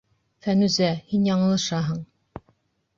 Фәнүзә, һин яңылышаһың.